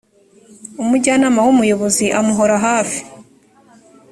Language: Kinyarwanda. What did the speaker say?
umujyanama w ‘umuyobozi amuhora hafi.